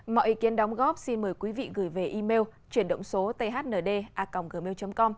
mọi ý kiến đóng góp xin mời quý vị gửi về email chuyển động số thnda gmail com